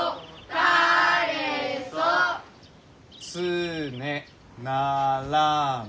「つねならむ」。